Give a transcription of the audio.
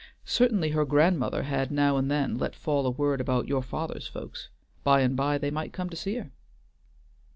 Certainly her grandmother had now and then let fall a word about "your father's folks" by and by they might come to see her!